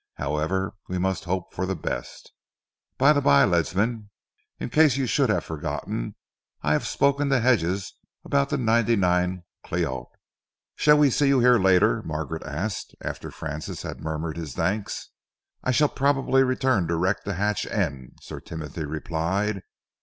However, we must hope for the best. By the bye, Ledsam, in case you should have forgotten, I have spoken to Hedges about the '99 Cliquot." "Shall we see you here later?" Margaret asked, after Francis had murmured his thanks. "I shall probably return direct to Hatch End," Sir Timothy replied.